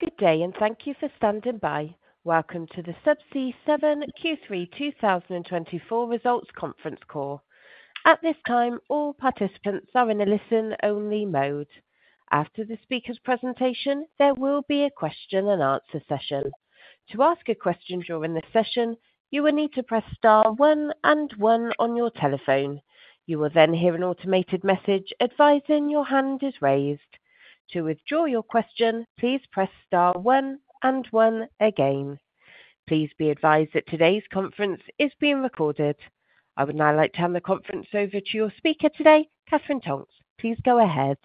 Good day, and thank you for standing by. Welcome to the Subsea 7 Q3 2024 Results Conference Call. At this time, all participants are in a listen-only mode. After the speaker's presentation, there will be a question-and-answer session. To ask a question during this session, you will need to press star one and one on your telephone. You will then hear an automated message advising your hand is raised. To withdraw your question, please press star one and one again. Please be advised that today's conference is being recorded. I would now like to hand the conference over to your speaker today, Katherine Tonks. Please go ahead.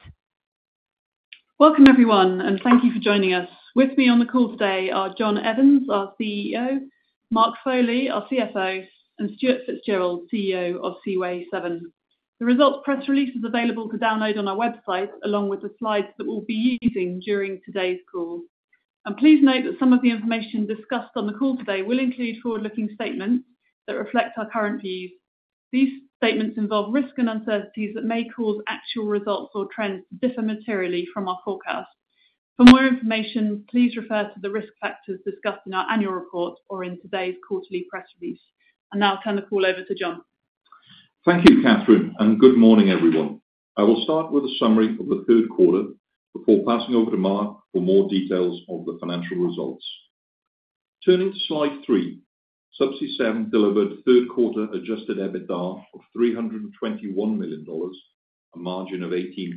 Welcome, everyone, and thank you for joining us. With me on the call today are John Evans, our CEO; Mark Foley, our CFO; and Stuart Fitzgerald, CEO of Seaway 7. The results press release is available to download on our website, along with the slides that we'll be using during today's call. Please note that some of the information discussed on the call today will include forward-looking statements that reflect our current views. These statements involve risk and uncertainties that may cause actual results or trends to differ materially from our forecast. For more information, please refer to the risk factors discussed in our annual report or in today's quarterly press release. Now I'll turn the call over to John. Thank you, Katherine, and good morning, everyone. I will start with a summary of the third quarter before passing over to Mark for more details on the financial results. Turning to slide three, Subsea 7 delivered third-quarter Adjusted EBITDA of $321 million, a margin of 18%,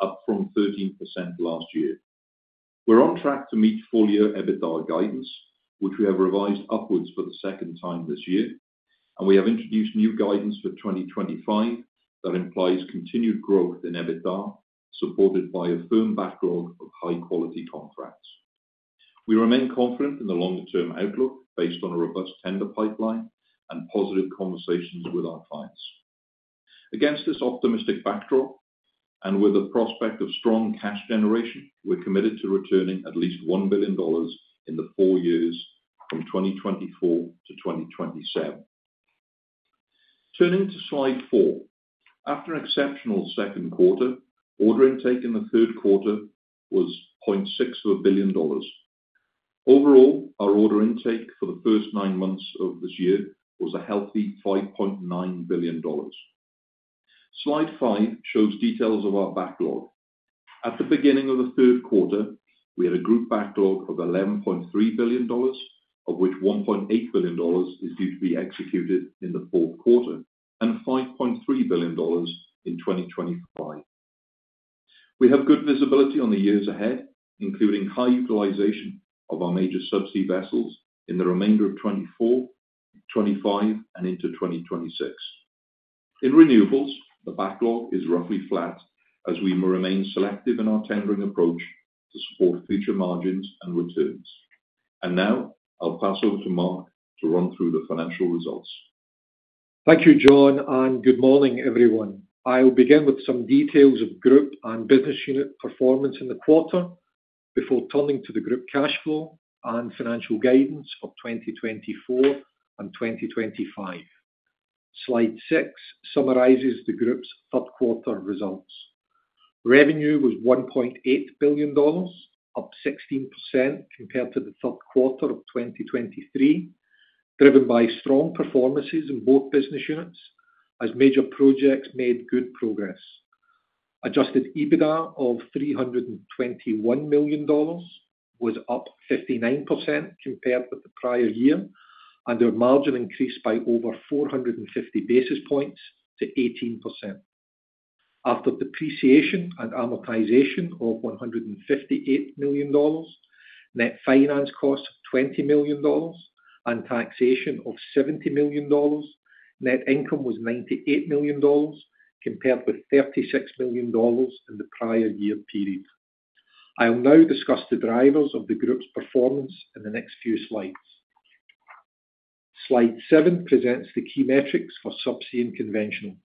up from 13% last year. We're on track to meet full-year EBITDA guidance, which we have revised upwards for the second time this year, and we have introduced new guidance for 2025 that implies continued growth in EBITDA, supported by a firm backlog of high-quality contracts. We remain confident in the longer-term outlook based on a robust tender pipeline and positive conversations with our clients. Against this optimistic backdrop and with the prospect of strong cash generation, we're committed to returning at least $1 billion in the four years from 2024 to 2027. Turning to slide four, after an exceptional second quarter, order intake in the third quarter was $0.6 billion. Overall, our order intake for the first nine months of this year was a healthy $5.9 billion. Slide five shows details of our backlog. At the beginning of the third quarter, we had a group backlog of $11.3 billion, of which $1.8 billion is due to be executed in the fourth quarter and $5.3 billion in 2025. We have good visibility on the years ahead, including high utilization of our major subsea vessels in the remainder of 2024, 2025, and into 2026. In renewables, the backlog is roughly flat as we remain selective in our tendering approach to support future margins and returns. And now I'll pass over to Mark to run through the financial results. Thank you, John, and good morning, everyone. I'll begin with some details of group and business unit performance in the quarter before turning to the group cash flow and financial guidance of 2024 and 2025. Slide six summarizes the group's third-quarter results. Revenue was $1.8 billion, up 16% compared to the third quarter of 2023, driven by strong performances in both business units as major projects made good progress. Adjusted EBITDA of $321 million was up 59% compared with the prior year, and their margin increased by over 450 basis points to 18%. After depreciation and amortization of $158 million, net finance costs of $20 million, and taxation of $70 million, net income was $98 million compared with $36 million in the prior year period. I'll now discuss the drivers of the group's performance in the next few slides. Slide seven presents the key metrics for subsea and conventional.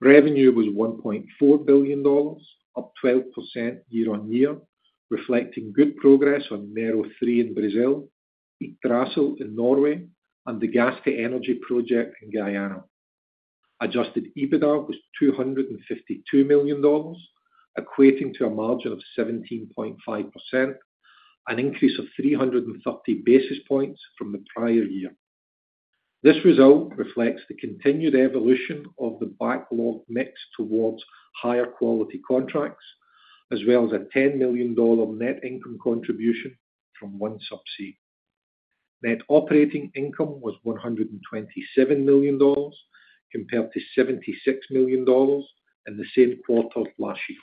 Revenue was $1.4 billion, up 12% year-on-year, reflecting good progress on Mero 3 in Brazil, Yggdrasil in Norway, and the Gas-to-Energy project in Guyana. Adjusted EBITDA was $252 million, equating to a margin of 17.5%, an increase of 330 basis points from the prior year. This result reflects the continued evolution of the backlog mix towards higher quality contracts, as well as a $10 million net income contribution from OneSubsea. Net operating income was $127 million compared to $76 million in the same quarter last year.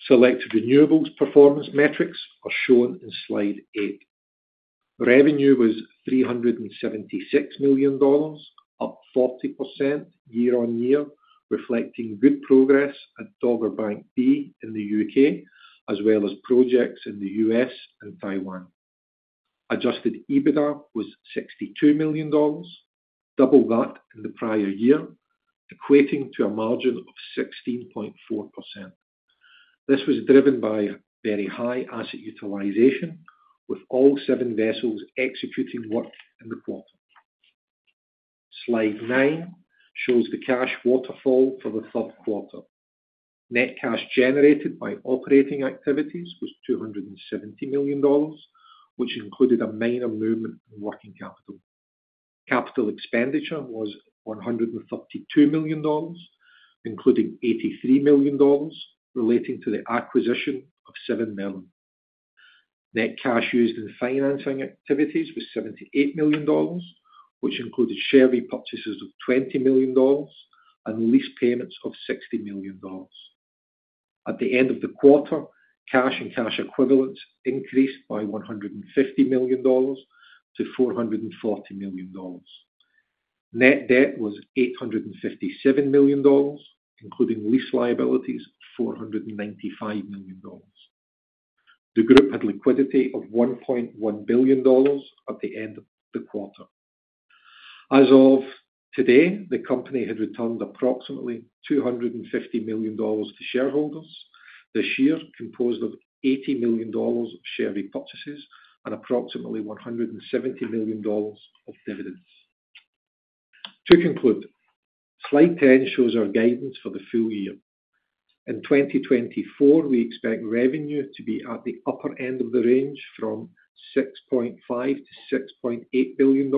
Selected renewables performance metrics are shown in slide eight. Revenue was $376 million, up 40% year-on-year, reflecting good progress at Dogger Bank B in the U.K., as well as projects in the U.S. and Taiwan. Adjusted EBITDA was $62 million, double that in the prior year, equating to a margin of 16.4%. This was driven by very high asset utilization, with all seven vessels executing work in the quarter. Slide nine shows the cash waterfall for the third quarter. Net cash generated by operating activities was $270 million, which included a minor movement in working capital. Capital expenditure was $132 million, including $83 million relating to the acquisition of Seven Merlin. Net cash used in financing activities was $78 million, which included share repurchases of $20 million and lease payments of $60 million. At the end of the quarter, cash and cash equivalents increased by $150 million to $440 million. Net debt was $857 million, including lease liabilities of $495 million. The group had liquidity of $1.1 billion at the end of the quarter. As of today, the company had returned approximately $250 million to shareholders this year, composed of $80 million of share repurchases and approximately $170 million of dividends. To conclude, slide 10 shows our guidance for the full year. In 2024, we expect revenue to be at the upper end of the range $6.5-$6.8 billion,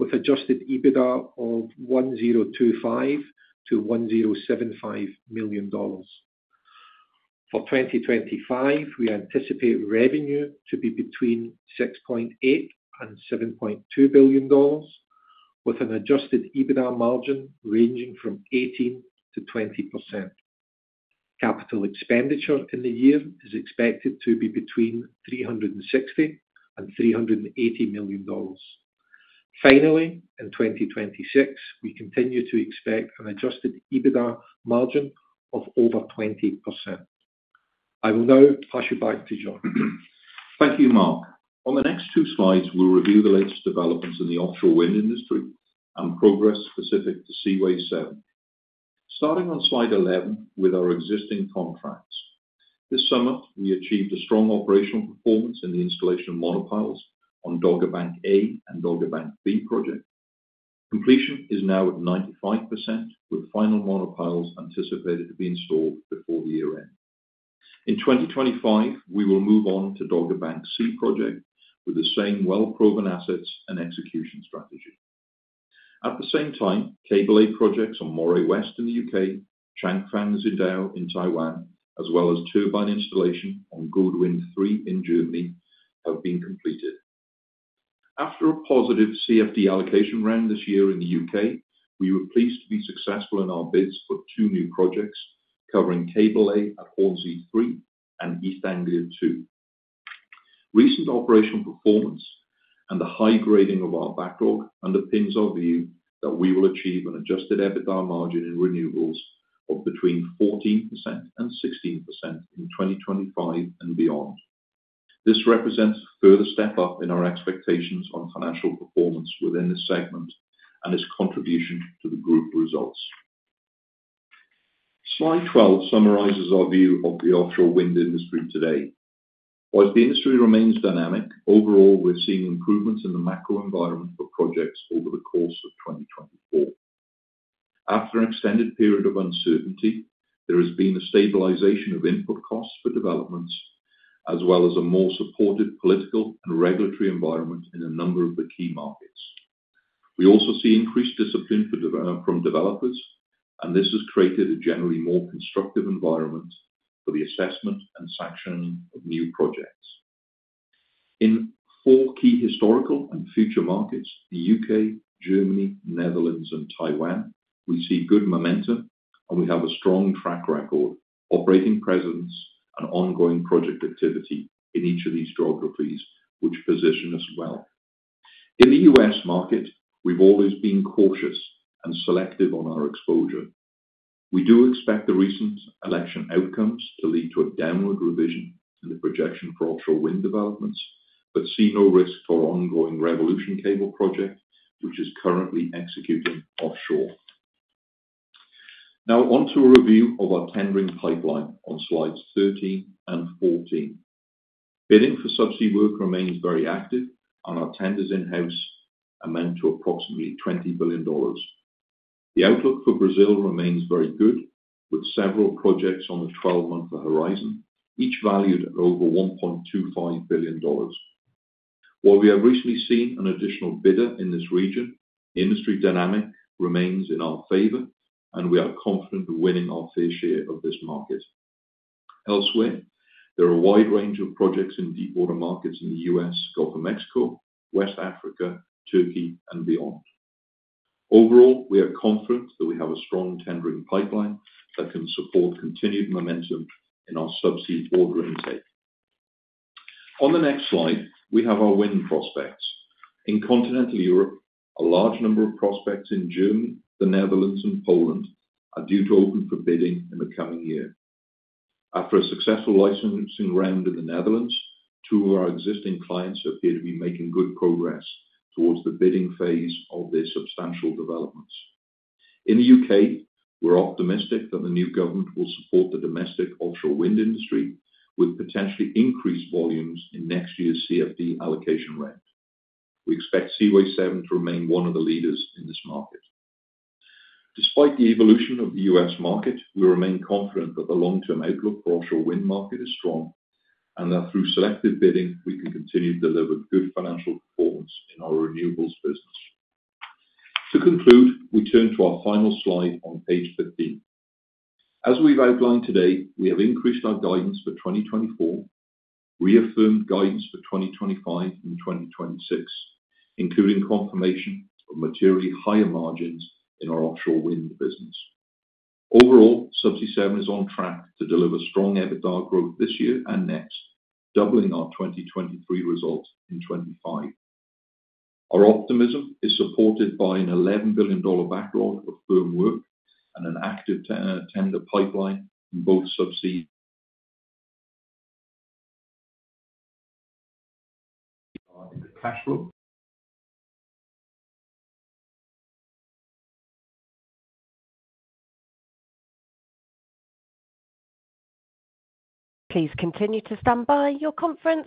with Adjusted EBITDA of $1,025-$1,075 million. For 2025, we anticipate revenue to be between $6.8 and $7.2 billion, with an Adjusted EBITDA margin ranging from 18%-20%. Capital expenditure in the year is expected to be between $360 and $380 million. Finally, in 2026, we continue to expect an Adjusted EBITDA margin of over 20%. I will now pass you back to John. Thank you, Mark. On the next two slides, we'll review the latest developments in the offshore wind industry and progress specific to Seaway 7. Starting on slide 11 with our existing contracts. This summer, we achieved a strong operational performance in the installation of monopiles on Dogger Bank A and Dogger Bank B projects. Completion is now at 95%, with final monopiles anticipated to be installed before the year end. In 2025, we will move on to Dogger Bank C project with the same well-proven assets and execution strategy. At the same time, cable-lay projects on Moray West in the U.K., Changfang-Xidao in Taiwan, as well as turbine installation on Gode Wind 3 in Germany, have been completed. After a positive CFD allocation round this year in the U.K., we were pleased to be successful in our bids for two new projects covering cable lay at Hornsea 3 and East Anglia 2. Recent operational performance and the high grading of our backlog underpins our view that we will achieve an Adjusted EBITDA margin in renewables of between 14% and 16% in 2025 and beyond. This represents a further step up in our expectations on financial performance within this segment and its contribution to the group results. Slide 12 summarizes our view of the offshore wind industry today. Whilst the industry remains dynamic, overall, we're seeing improvements in the macro environment for projects over the course of 2024. After an extended period of uncertainty, there has been a stabilization of input costs for developments, as well as a more supportive political and regulatory environment in a number of the key markets. We also see increased discipline from developers, and this has created a generally more constructive environment for the assessment and sanctioning of new projects. In four key historical and future markets, the U.K., Germany, Netherlands, and Taiwan, we see good momentum, and we have a strong track record, operating presence, and ongoing project activity in each of these geographies, which position us well. In the U.S. market, we've always been cautious and selective on our exposure. We do expect the recent election outcomes to lead to a downward revision in the projection for offshore wind developments, but see no risk for our ongoing Revolution Wind project, which is currently executing offshore. Now onto a review of our tendering pipeline on slides 13 and 14. Bidding for subsea work remains very active, and our tenders in-house amount to approximately $20 billion. The outlook for Brazil remains very good, with several projects on the 12-month horizon, each valued at over $1.25 billion. While we have recently seen an additional bidder in this region, industry dynamic remains in our favor, and we are confident of winning our fair share of this market. Elsewhere, there are a wide range of projects in deep water markets in the U.S., Gulf of Mexico, West Africa, Turkey, and beyond. Overall, we are confident that we have a strong tendering pipeline that can support continued momentum in our subsea order intake. On the next slide, we have our wind prospects. In continental Europe, a large number of prospects in Germany, the Netherlands, and Poland are due to open for bidding in the coming year. After a successful licensing round in the Netherlands, two of our existing clients appear to be making good progress towards the bidding phase of their substantial developments. In the U.K., we're optimistic that the new government will support the domestic offshore wind industry with potentially increased volumes in next year's CFD allocation round. We expect Seaway 7 to remain one of the leaders in this market. Despite the evolution of the U.S. market, we remain confident that the long-term outlook for the offshore wind market is strong and that through selective bidding, we can continue to deliver good financial performance in our renewables business. To conclude, we turn to our final slide on page 15. As we've outlined today, we have increased our guidance for 2024, reaffirmed guidance for 2025 and 2026, including confirmation of materially higher margins in our offshore wind business. Overall, Subsea 7 is on track to deliver strong EBITDA growth this year and next, doubling our 2023 results in 2025. Our optimism is supported by an $11 billion backlog of firm work and an active tender pipeline in both subsea. Please continue to stand by your conference.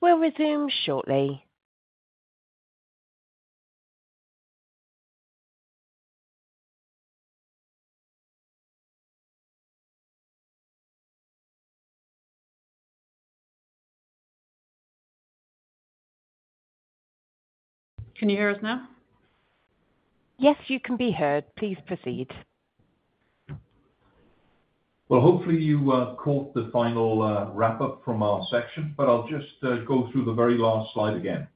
We'll resume shortly. Can you hear us now? Yes, you can be heard. Please proceed. Hopefully, you caught the final wrap-up from our section, but I'll just go through the very last slide again.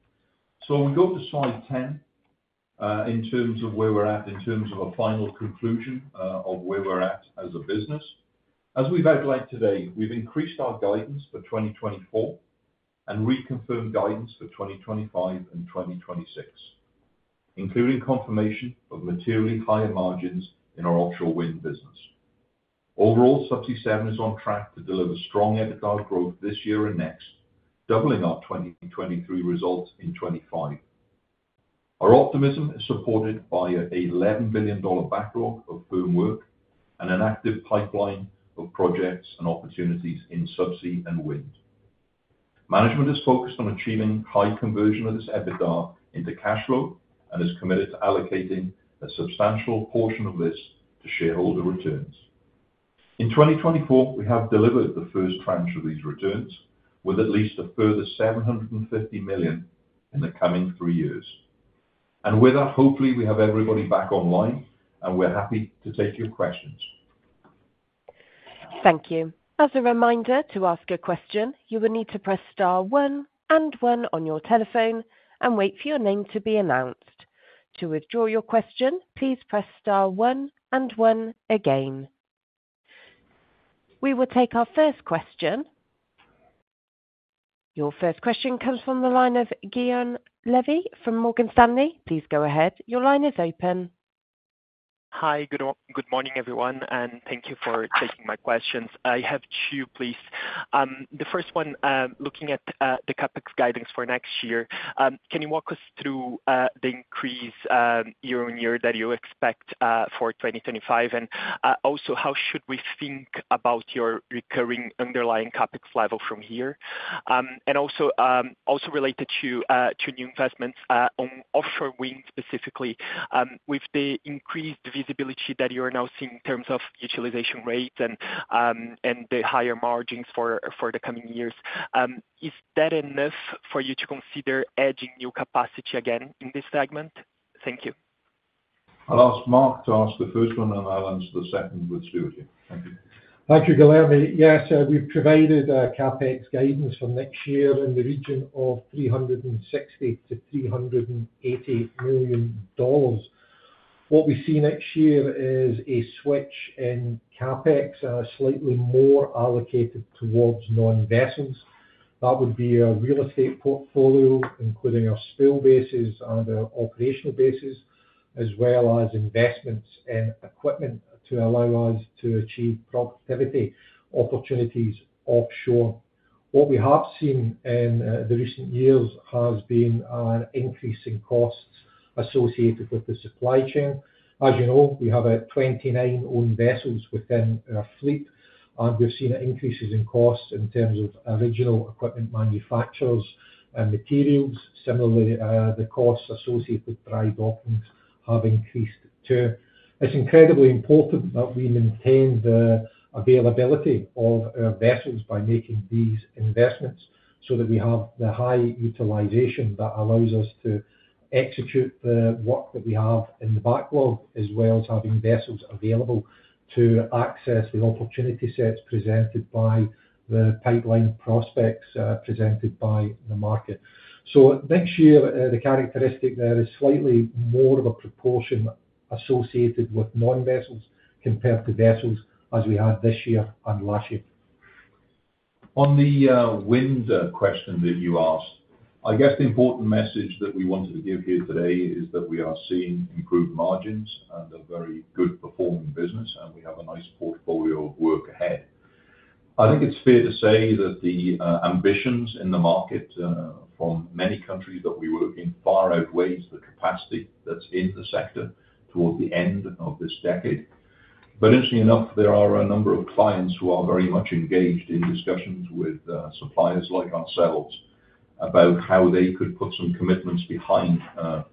We go to slide 10 in terms of where we're at in terms of a final conclusion of where we're at as a business. As we've outlined today, we've increased our guidance for 2024 and reconfirmed guidance for 2025 and 2026, including confirmation of materially higher margins in our offshore wind business. Overall, Subsea 7 is on track to deliver strong EBITDA growth this year and next, doubling our 2023 results in 2025. Our optimism is supported by an $11 billion backlog of firm work and an active pipeline of projects and opportunities in subsea and wind. Management is focused on achieving high conversion of this EBITDA into cash flow and is committed to allocating a substantial portion of this to shareholder returns. In 2024, we have delivered the first tranche of these returns with at least a further $750 million in the coming three years, and with that, hopefully, we have everybody back online, and we're happy to take your questions. Thank you. As a reminder to ask a question, you will need to press star one and one on your telephone and wait for your name to be announced. To withdraw your question, please press star one and one again. We will take our first question. Your first question comes from the line of Guillaume Levy from Morgan Stanley. Please go ahead. Your line is open. Hi, good morning, everyone, and thank you for taking my questions. I have two, please. The first one, looking at the CapEx guidance for next year, can you walk us through the increase year-on-year that you expect for 2025? And also, how should we think about your recurring underlying CapEx level from here? And also related to new investments on offshore wind specifically, with the increased visibility that you're now seeing in terms of utilization rates and the higher margins for the coming years, is that enough for you to consider adding new capacity again in this segment? Thank you. I'll ask Mark to answer the first one, and I'll answer the second with Stuart here. Thank you. Thank you, Guillaume. Yes, we've provided CapEx guidance for next year in the region of $360-$380 million. What we see next year is a switch in CapEx, slightly more allocated towards non-investments. That would be a real estate portfolio, including our spool bases and our operational bases, as well as investments in equipment to allow us to achieve productivity opportunities offshore. What we have seen in the recent years has been an increase in costs associated with the supply chain. As you know, we have 29 owned vessels within our fleet, and we've seen increases in costs in terms of original equipment manufacturers and materials. Similarly, the costs associated with dry docking have increased too. It's incredibly important that we maintain the availability of our vessels by making these investments so that we have the high utilization that allows us to execute the work that we have in the backlog, as well as having vessels available to access the opportunity sets presented by the pipeline prospects presented by the market. So next year, the characteristic there is slightly more of a proportion associated with non-vessels compared to vessels as we had this year and last year. On the wind question that you asked, I guess the important message that we wanted to give here today is that we are seeing improved margins and a very good-performing business, and we have a nice portfolio of work ahead. I think it's fair to say that the ambitions in the market from many countries that we work in far outweighs the capacity that's in the sector towards the end of this decade. But interestingly enough, there are a number of clients who are very much engaged in discussions with suppliers like ourselves about how they could put some commitments behind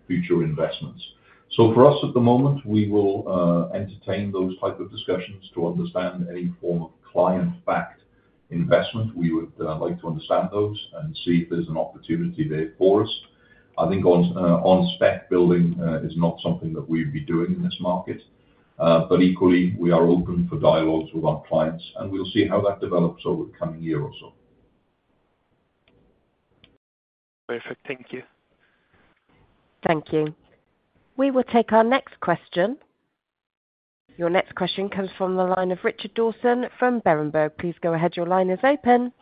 future investments. So for us, at the moment, we will entertain those types of discussions to understand any form of client-backed investment. We would like to understand those and see if there's an opportunity there for us. I think on-spec building is not something that we would be doing in this market, but equally, we are open for dialogues with our clients, and we'll see how that develops over the coming year or so. Perfect. Thank you. Thank you. We will take our next question. Your next question comes from the line of Richard Dawson from Berenberg. Please go ahead. Your line is open.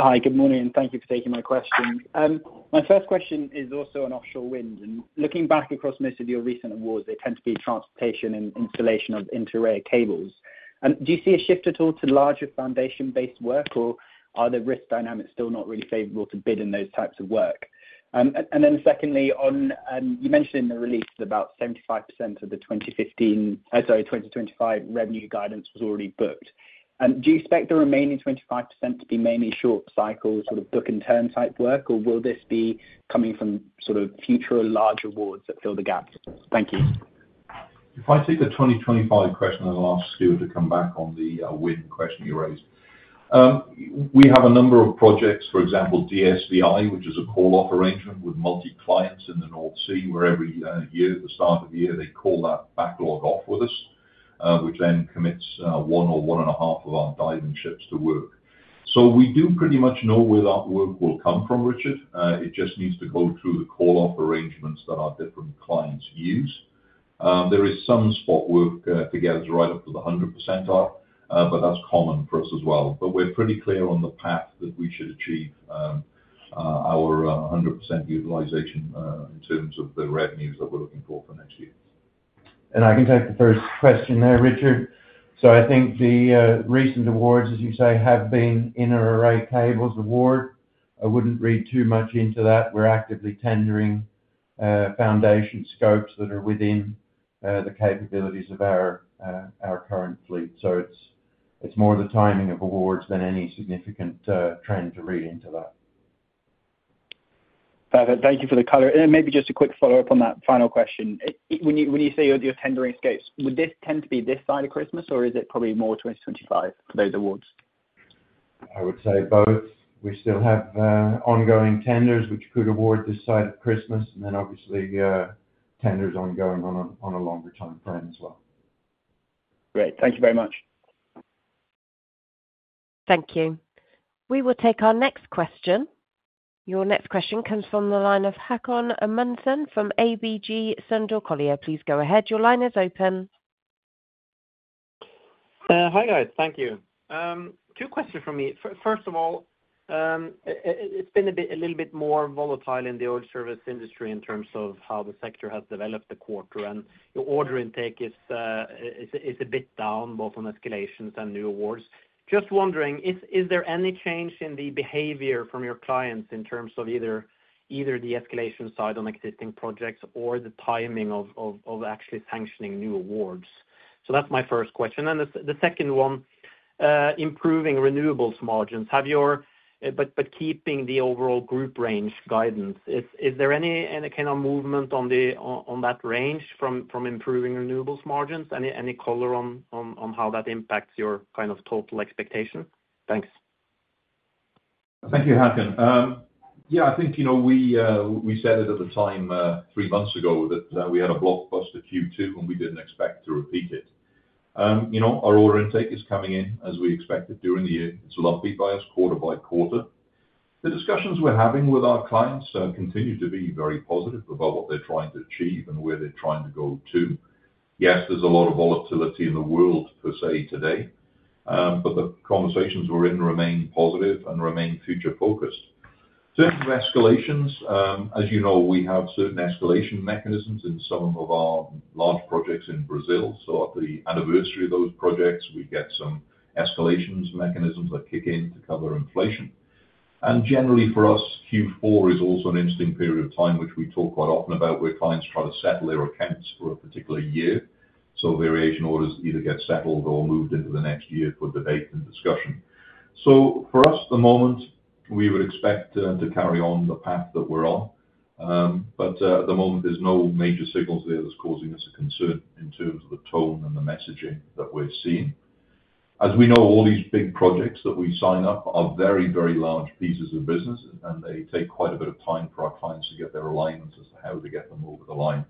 Hi, good morning, and thank you for taking my question. My first question is also on offshore wind. And looking back across most of your recent awards, they tend to be transportation and installation of inter-array cables. Do you see a shift at all to larger foundation-based work, or are the risk dynamics still not really favorable to bid in those types of work? And then secondly, you mentioned in the release that about 75% of the 2015, sorry, 2025 revenue guidance was already booked. Do you expect the remaining 25% to be mainly short-cycle sort of book-and-turn type work, or will this be coming from sort of future or larger awards that fill the gaps? Thank you. If I take the 2025 question, I'll ask Stuart to come back on the wind question you raised. We have a number of projects, for example, DSV, which is a call-off arrangement with multiple clients in the North Sea where every year, at the start of the year, they call that backlog off with us, which then commits one or one and a half of our diving ships to work. So we do pretty much know where that work will come from, Richard. It just needs to go through the call-off arrangements that our different clients use. There is some spot work that gathers right up to the 100% arc, but that's common for us as well. But we're pretty clear on the path that we should achieve our 100% utilization in terms of the revenues that we're looking for for next year. I can take the first question there, Richard. I think the recent awards, as you say, have been inter-array cables award. I wouldn't read too much into that. We're actively tendering foundation scopes that are within the capabilities of our current fleet. It's more the timing of awards than any significant trend to read into that. Perfect. Thank you for the color, and maybe just a quick follow-up on that final question. When you say you're tendering scopes, would this tend to be this side of Christmas, or is it probably more 2025 for those awards? I would say both. We still have ongoing tenders which could award this side of Christmas, and then obviously tenders ongoing on a longer time frame as well. Great. Thank you very much. Thank you. We will take our next question. Your next question comes from the line of Haakon Amundsen from ABG Sundal Collier. Please go ahead. Your line is open. Hi, guys. Thank you. Two questions for me. First of all, it's been a little bit more volatile in the oil service industry in terms of how the sector has developed the quarter, and your order intake is a bit down both on escalations and new awards. Just wondering, is there any change in the behavior from your clients in terms of either the escalation side on existing projects or the timing of actually sanctioning new awards? So that's my first question. And the second one, improving renewables margins, but keeping the overall group range guidance. Is there any kind of movement on that range from improving renewables margins? Any color on how that impacts your kind of total expectation? Thanks. Thank you, Haakon. Yeah, I think we said it at the time three months ago that we had a blockbuster Q2, and we didn't expect to repeat it. Our order intake is coming in as we expected during the year. It's lumpy by us quarter by quarter. The discussions we're having with our clients continue to be very positive about what they're trying to achieve and where they're trying to go to. Yes, there's a lot of volatility in the world per se today, but the conversations we're in remain positive and remain future-focused. Certain escalations, as you know, we have certain escalation mechanisms in some of our large projects in Brazil. So at the anniversary of those projects, we get some escalation mechanisms that kick in to cover inflation. Generally for us, Q4 is also an interesting period of time, which we talk quite often about, where clients try to settle their accounts for a particular year. So variation orders either get settled or moved into the next year for debate and discussion. So for us at the moment, we would expect to carry on the path that we're on. But at the moment, there's no major signals there that's causing us a concern in terms of the tone and the messaging that we're seeing. As we know, all these big projects that we sign up are very, very large pieces of business, and they take quite a bit of time for our clients to get their alignments as to how to get them over the line.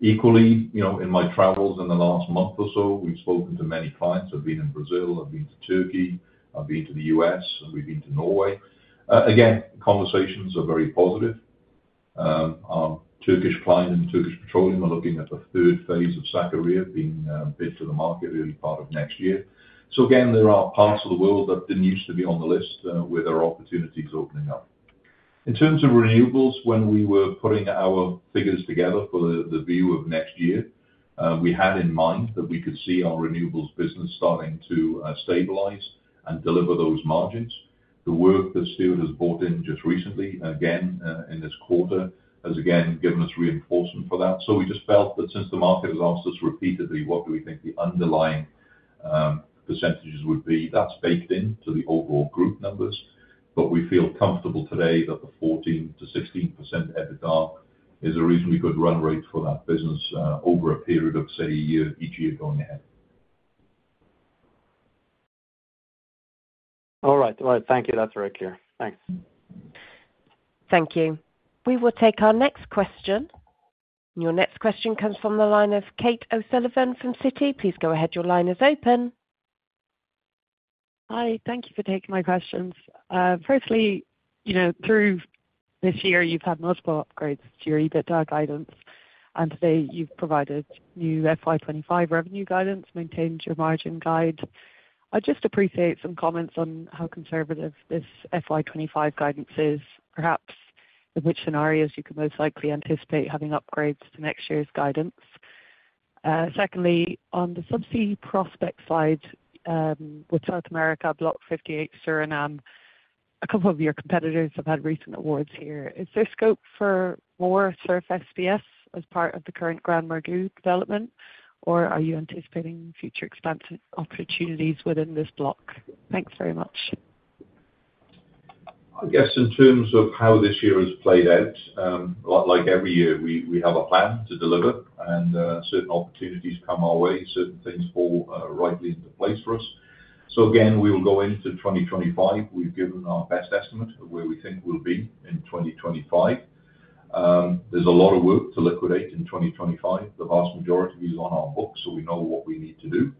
Equally, in my travels in the last month or so, we've spoken to many clients. I've been in Brazil, I've been to Turkey, I've been to the U.S., and we've been to Norway. Again, conversations are very positive. Our Turkish client and Turkish Petroleum are looking at the third phase of Sakarya being bid to the market early part of next year. So again, there are parts of the world that didn't used to be on the list where there are opportunities opening up. In terms of renewables, when we were putting our figures together for the view of next year, we had in mind that we could see our renewables business starting to stabilize and deliver those margins. The work that Stuart has brought in just recently, again, in this quarter has again given us reinforcement for that. So we just felt that since the market has asked us repeatedly what do we think the underlying percentages would be, that's baked into the overall group numbers. But we feel comfortable today that the 14%-16% EBITDA is a reasonably good run rate for that business over a period of, say, a year each year going ahead. All right. All right. Thank you. That's very clear. Thanks. Thank you. We will take our next question. Your next question comes from the line of Kate O'Sullivan from Citi. Please go ahead. Your line is open. Hi. Thank you for taking my questions. Firstly, through this year, you've had multiple upgrades to your EBITDA guidance, and today you've provided new FY 2025 revenue guidance, maintained your margin guide. I just appreciate some comments on how conservative this FY 2025 guidance is, perhaps in which scenarios you could most likely anticipate having upgrades to next year's guidance. Secondly, on the subsea prospect side with South America Block 58 Suriname, a couple of your competitors have had recent awards here. Is there scope for more SURF SPS as part of the current GranMorgu development, or are you anticipating future expansion opportunities within this block? Thanks very much. I guess in terms of how this year has played out, like every year, we have a plan to deliver, and certain opportunities come our way, certain things fall rightly into place for us. So again, we will go into 2025. We've given our best estimate of where we think we'll be in 2025. There's a lot of work to liquidate in 2025. The vast majority is on our books, so we know what we need to do.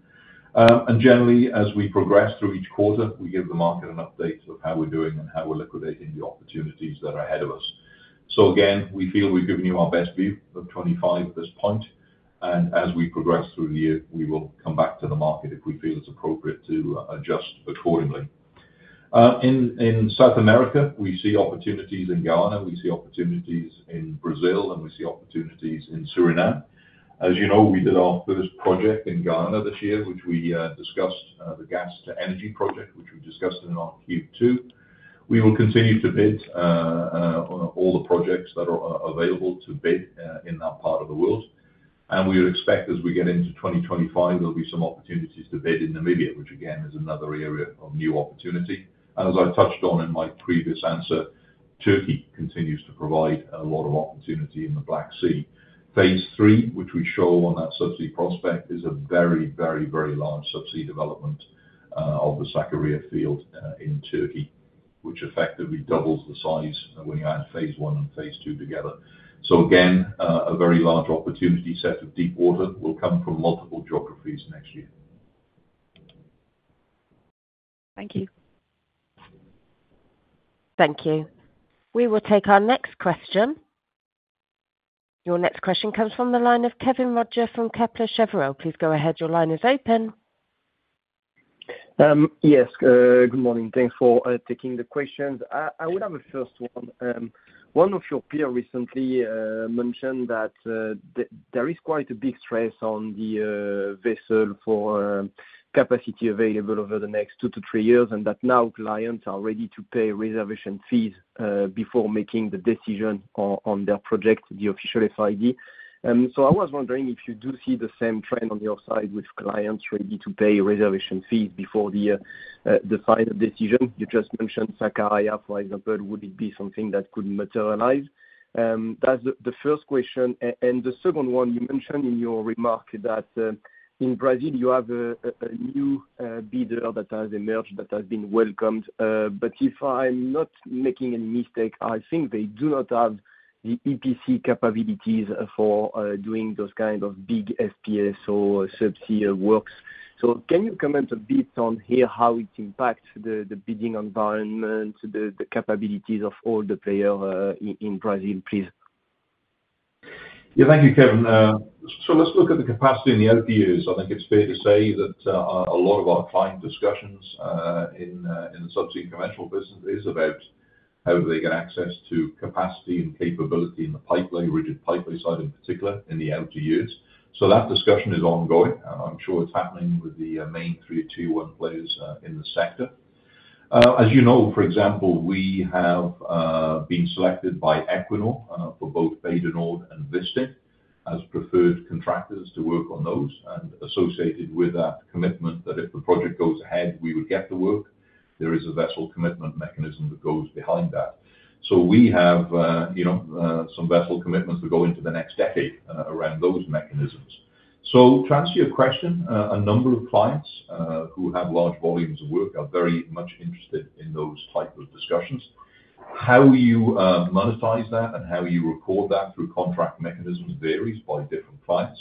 And generally, as we progress through each quarter, we give the market an update of how we're doing and how we're liquidating the opportunities that are ahead of us. So again, we feel we've given you our best view of 2025 at this point, and as we progress through the year, we will come back to the market if we feel it's appropriate to adjust accordingly. In South America, we see opportunities in Guyana, we see opportunities in Brazil, and we see opportunities in Suriname. As you know, we did our first project in Guyana this year, which we discussed, the Gas-to-Energy project, which we discussed in our Q2. We will continue to bid on all the projects that are available to bid in that part of the world, and we would expect as we get into 2025, there'll be some opportunities to bid in Namibia, which again is another area of new opportunity. And as I touched on in my previous answer, Turkey continues to provide a lot of opportunity in the Black Sea. Phase III, which we show on that subsea prospect, is a very, very, very large subsea development of the Sakarya field in Turkey, which effectively doubles the size when you add Phase I and Phase II together. Again, a very large opportunity set of deepwater will come from multiple geographies next year. Thank you. Thank you. We will take our next question. Your next question comes from the line of Kevin Roger from Kepler Cheuvreux. Please go ahead. Your line is open. Yes. Good morning. Thanks for taking the questions. I would have a first one. One of your peers recently mentioned that there is quite a big stress on the vessels capacity available over the next two to three years and that now clients are ready to pay reservation fees before making the decision on their project, the official FID. So I was wondering if you do see the same trend on your side with clients ready to pay reservation fees before the final decision. You just mentioned Sakarya, for example, would it be something that could materialize? That's the first question, and the second one, you mentioned in your remark that in Brazil, you have a new bidder that has emerged that has been welcomed. But if I'm not making any mistake, I think they do not have the EPC capabilities for doing those kind of big FPS or subsea works. So can you comment a bit on here how it impacts the bidding environment, the capabilities of all the players in Brazil, please? Yeah. Thank you, Kevin, so let's look at the capacity and the LPUs. I think it's fair to say that a lot of our client discussions in the subsea commercial business is about how do they get access to capacity and capability in the pipeline, rigid pipeline side in particular, in the LPUs, so that discussion is ongoing. I'm sure it's happening with the main three or two one players in the sector. As you know, for example, we have been selected by Equinor for both Bacalhau and Wisting as preferred contractors to work on those, and associated with that commitment that if the project goes ahead, we would get the work. There is a vessel commitment mechanism that goes behind that, so we have some vessel commitments that go into the next decade around those mechanisms. So to answer your question, a number of clients who have large volumes of work are very much interested in those types of discussions. How you monetize that and how you record that through contract mechanisms varies by different clients.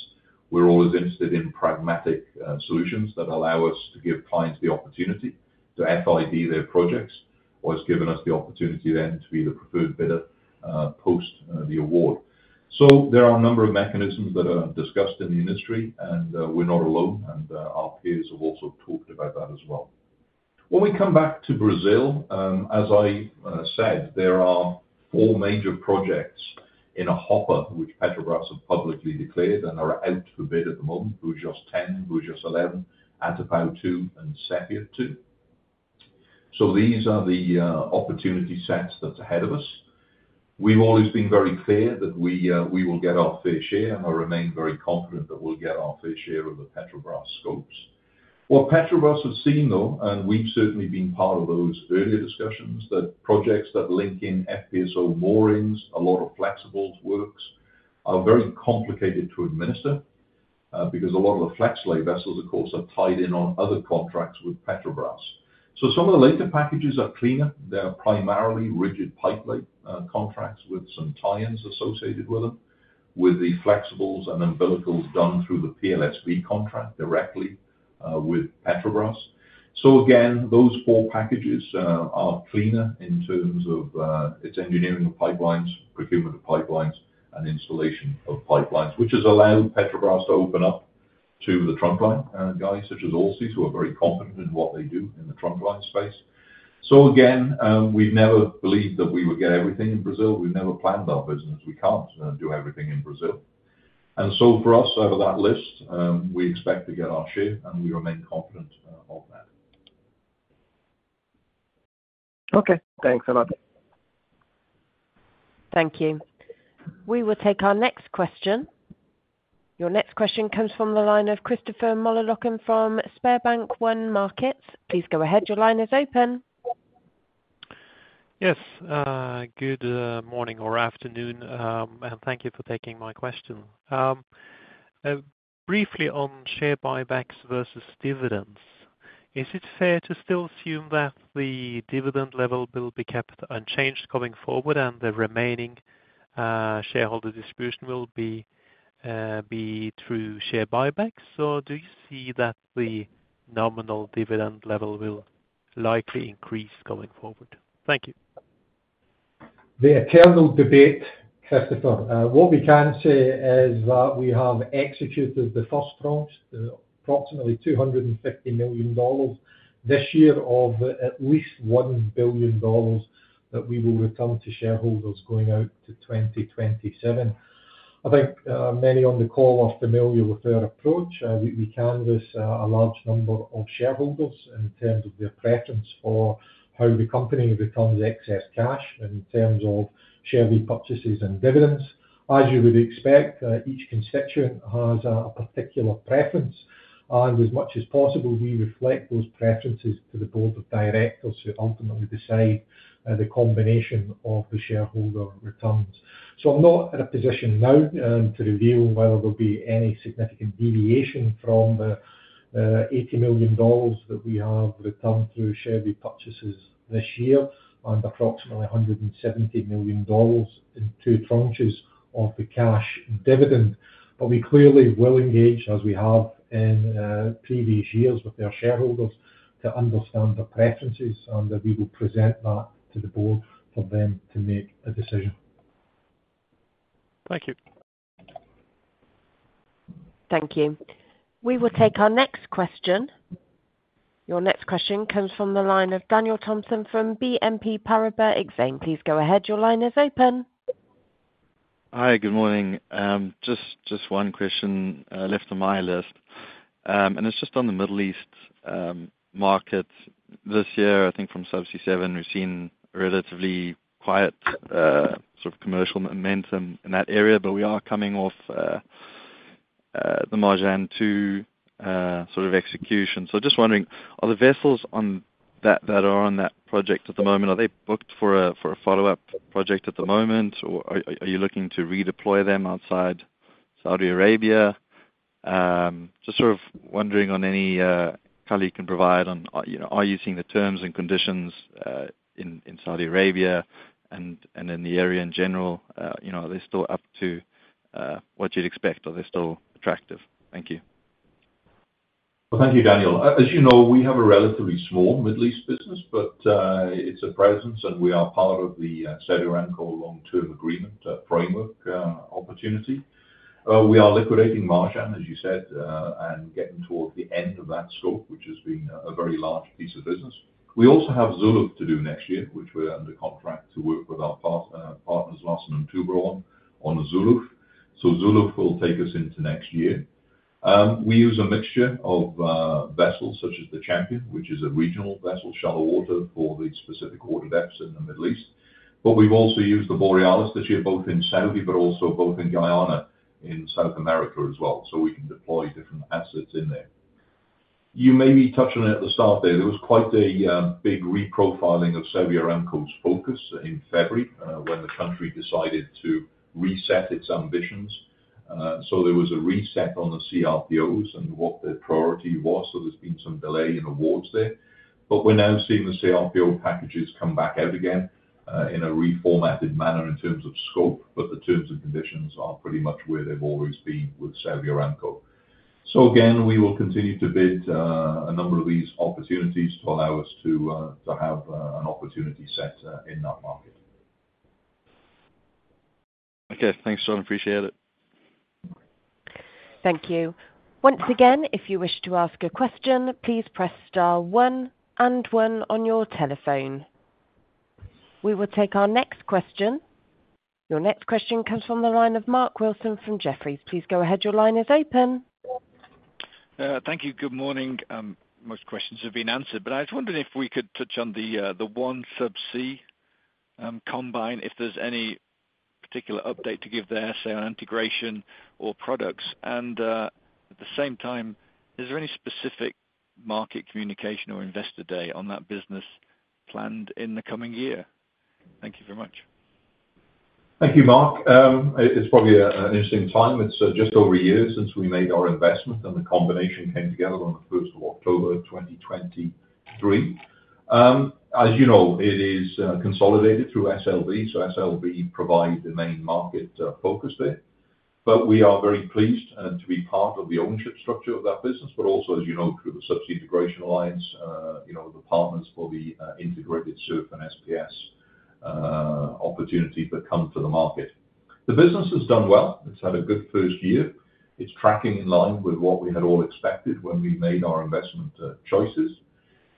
We're always interested in pragmatic solutions that allow us to give clients the opportunity to FID their projects or has given us the opportunity then to be the preferred bidder post the award. So there are a number of mechanisms that are discussed in the industry, and we're not alone, and our peers have also talked about that as well. When we come back to Brazil, as I said, there are four major projects in a hopper which Petrobras have publicly declared and are out for bid at the moment, Búzios 10, Búzios 11, Atapu 2, and Sépia 2. So these are the opportunity sets that's ahead of us. We've always been very clear that we will get our fair share and have remained very confident that we'll get our fair share of the Petrobras scopes. What Petrobras has seen, though, and we've certainly been part of those earlier discussions, that projects that link in FPSO moorings, a lot of flexibles works are very complicated to administer because a lot of the flex lay vessels, of course, are tied in on other contracts with Petrobras. So some of the later packages are cleaner. They are primarily rigid pipeline contracts with some tie-ins associated with them, with the flexibles and umbilicals done through the PLSV contract directly with Petrobras. So again, those four packages are cleaner in terms of its engineering of pipelines, procurement of pipelines, and installation of pipelines, which has allowed Petrobras to open up to the trunk line guys such as Allseas, who are very confident in what they do in the trunk line space. So again, we've never believed that we would get everything in Brazil. We've never planned our business. We can't do everything in Brazil. And so for us, out of that list, we expect to get our share, and we remain confident of that. Okay. Thanks a lot. Thank you. We will take our next question. Your next question comes from the line of Christopher Moller-Locken from SpareBank 1 Markets. Please go ahead. Your line is open. Yes. Good morning or afternoon, and thank you for taking my question. Briefly on share buybacks versus dividends, is it fair to still assume that the dividend level will be kept unchanged going forward and the remaining shareholder distribution will be through share buybacks? Or do you see that the nominal dividend level will likely increase going forward? Thank you. The attendant debate, Christopher. What we can say is that we have executed the first tranche, approximately $250 million this year of at least $1 billion that we will return to shareholders going out to 2027. I think many on the call are familiar with our approach. We canvas a large number of shareholders in terms of their preference for how the company returns excess cash in terms of share repurchases and dividends. As you would expect, each constituent has a particular preference, and as much as possible, we reflect those preferences to the board of directors who ultimately decide the combination of the shareholder returns. So I'm not at a position now to reveal whether there'll be any significant deviation from the $80 million that we have returned through share repurchases this year and approximately $170 million in two tranches of the cash dividend. But we clearly will engage, as we have in previous years with our shareholders, to understand the preferences, and we will present that to the board for them to make a decision. Thank you. Thank you. We will take our next question. Your next question comes from the line of Daniel Thomson from BNP Paribas Exane. Please go ahead. Your line is open. Hi. Good morning. Just one question left on my list, and it's just on the Middle East markets this year. I think from Subsea 7, we've seen relatively quiet sort of commercial momentum in that area, but we are coming off the Marjan 2 sort of execution. So just wondering, are the vessels that are on that project at the moment, are they booked for a follow-up project at the moment, or are you looking to redeploy them outside Saudi Arabia? Just sort of wondering on any color you can provide on, are you seeing the terms and conditions in Saudi Arabia and in the area in general? Are they still up to what you'd expect? Are they still attractive? Thank you. Thank you, Daniel. As you know, we have a relatively small Middle East business, but it's a presence, and we are part of the Saudi Aramco long-term agreement framework opportunity. We are delivering Marjan, as you said, and getting towards the end of that scope, which has been a very large piece of business. We also have Zuluf to do next year, which we're under contract to work with our partners, Larsen and Toubro, on Zuluf. Zuluf will take us into next year. We use a mixture of vessels such as the Champion, which is a regional vessel, shallow water for the specific water depths in the Middle East. We've also used the Borealis this year, both in Saudi but also both in Guyana in South America as well, so we can deploy different assets in there. You may be touching it at the start there. There was quite a big reprofiling of Saudi Aramco's focus in February when the country decided to reset its ambitions. So there was a reset on the CRPOs and what their priority was. So there's been some delay in awards there. But we're now seeing the CRPO packages come back out again in a reformatted manner in terms of scope, but the terms and conditions are pretty much where they've always been with Saudi Aramco. So again, we will continue to bid a number of these opportunities to allow us to have an opportunity set in that market. Okay. Thanks, John. Appreciate it. Thank you. Once again, if you wish to ask a question, please press star one and one on your telephone. We will take our next question. Your next question comes from the line of Mark Wilson from Jefferies. Please go ahead. Your line is open. Thank you. Good morning. Most questions have been answered, but I was wondering if we could touch on the OneSubsea, if there's any particular update to give there, say, on integration or products. And at the same time, is there any specific market communication or investor day on that business planned in the coming year? Thank you very much. Thank you, Mark. It's probably an interesting time. It's just over a year since we made our investment, and the combination came together on the 1st of October 2023. As you know, it is consolidated through SLB. So SLB provides the main market focus there. But we are very pleased to be part of the ownership structure of that business, but also, as you know, through the Subsea Integration Alliance, the partners for the integrated SURF and SPS opportunity that come to the market. The business has done well. It's had a good first year. It's tracking in line with what we had all expected when we made our investment choices.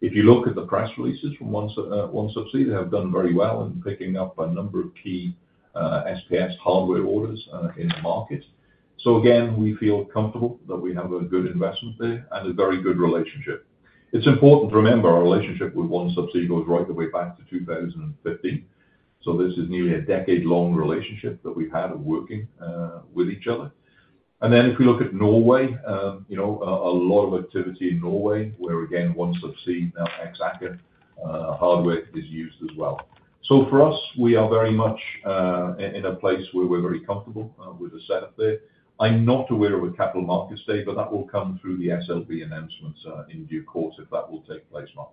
If you look at the press releases from OneSubsea, they have done very well in picking up a number of key SPS hardware orders in the market. So again, we feel comfortable that we have a good investment there and a very good relationship. It's important to remember our relationship with OneSubsea goes all the way back to 2015. So this is nearly a decade-long relationship that we've had working with each other. And then if we look at Norway, a lot of activity in Norway where, again, OneSubsea, now Aker, hardware is used as well. So for us, we are very much in a place where we're very comfortable with the setup there. I'm not aware of a capital markets day, but that will come through the SLB announcements in due course if that will take place, Mark.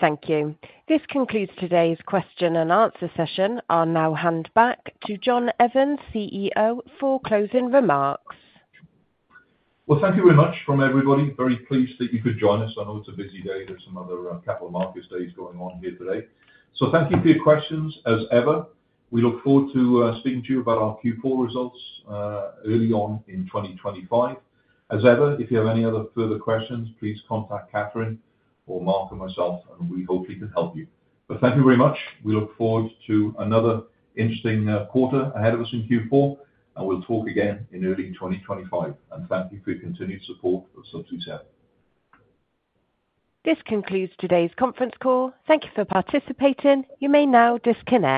Thank you. This concludes today's question and answer session. I'll now hand back to John Evans, CEO, for closing remarks. Thank you very much from everybody. Very pleased that you could join us on such a busy day. There's some other capital markets days going on here today. So thank you for your questions. As ever, we look forward to speaking to you about our Q4 results early on in 2025. As ever, if you have any other further questions, please contact Katherine or Mark and myself, and we hopefully can help you. Thank you very much. We look forward to another interesting quarter ahead of us in Q4, and we'll talk again in early 2025. Thank you for your continued support of Subsea 7. This concludes today's conference call. Thank you for participating. You may now disconnect.